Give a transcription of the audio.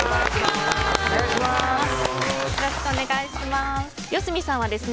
よろしくお願いします。